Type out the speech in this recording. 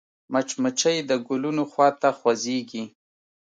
مچمچۍ د ګلونو خوا ته خوځېږي